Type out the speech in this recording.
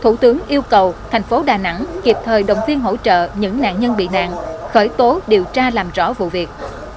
thủ tướng yêu cầu thành phố đà nẵng kịp thời động viên hỗ trợ những nạn nhân bị nạn khởi tố điều tra làm rõ vụ việc